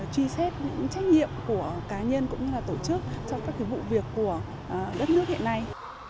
truy xét những trách nhiệm của cá nhân cũng như là tổ chức trong các cái vụ việc của đất nước hiện nay